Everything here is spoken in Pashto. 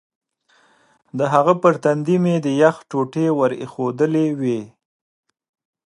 د هغه پر تندي مې د یخ ټوټې ور ایښودلې وې.